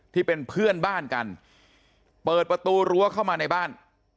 ที่เป็นเพื่อนบ้านกันเปิดประตูรั้วเข้ามาในบ้าน